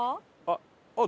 あっ。